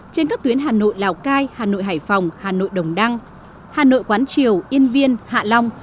trên các tuyến hà nội lào cai hà nội hải phòng hà nội đồng đăng hà nội quán triều yên viên hạ long